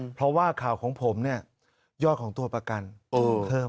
เพราะว่าข่าวของผมเนี่ยยอดของตัวประกันเพิ่ม